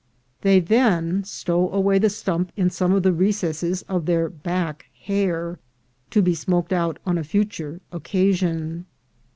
They then stow away the stump in some of the recesses of their "back hair," to be smoked out on a future occasion.